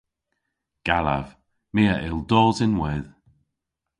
Gallav. My a yll dos ynwedh.